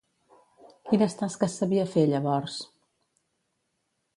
Quines tasques sabia fer, llavors?